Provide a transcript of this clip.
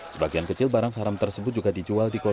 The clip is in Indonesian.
sebagian kecil barang haram tersebut juga dijual di kota